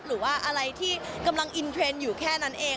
หรือว่าอะไรที่กำลังอินเทรนด์อยู่แค่นั้นเอง